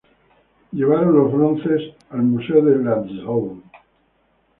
Ellos llevaron los bronces al museo en Lanzhou.